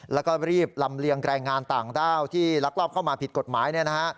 แล้วก็รีบลำเลียงแรงงานต่างด้าวที่ลักลอบเข้ามาผิดกฎหมายเนี่ยนะฮะ